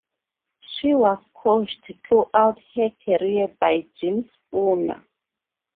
She was coached throughout her career by Jim Spooner.